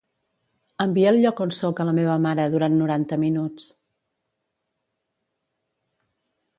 Envia el lloc on soc a la meva mare durant noranta minuts.